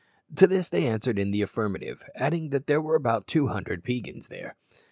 To this they answered in the affirmative, adding that there were about two hundred Peigans there.